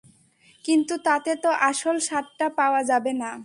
কিন্তু তাতে তো আসল স্বাদটা পাওয়া যাবে না।